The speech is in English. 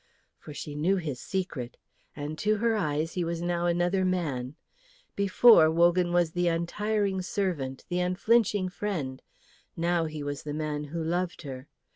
For she knew his secret, and to her eyes he was now another man. Before, Wogan was the untiring servant, the unflinching friend; now he was the man who loved her.